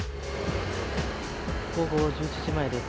午後１１時前です。